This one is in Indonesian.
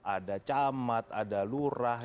ada camat ada lurah